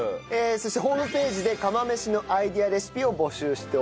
そしてホームページで釜飯のアイデアレシピを募集しております。